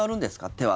手は。